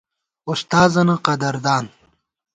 اُستاذَنہ قدردان